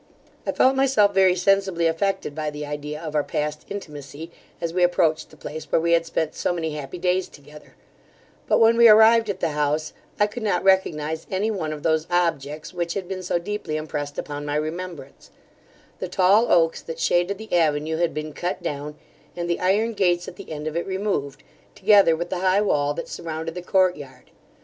I felt my self very sensibly affected by the idea of our past intimacy, as we approached the place where we had spent so many happy days together; but when we arrived at the house, I could not recognize any one of those objects, which had been so deeply impressed upon my remembrance The tall oaks that shaded the avenue, had been cut down, and the iron gates at the end of it removed, together with the high wall that surrounded the court yard.